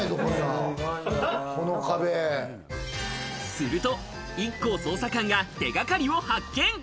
するとＩＫＫＯ捜査官が手掛かりを発見。